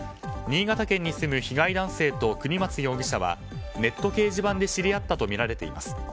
新潟県に住む被害男性と国松容疑者はネット掲示板で知り合ったとみられています。